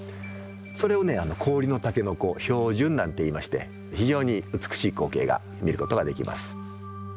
それを氷の筍氷筍なんていいまして非常に美しい光景が見ることができます。